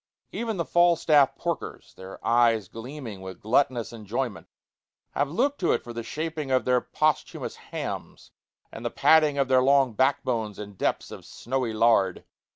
Even the Falstaff porkers, their eyes gleaming with gluttonous enjoyment, have looked to it for the shaping of their posthumous hams and the padding of their long backbones in depths of snowy lard.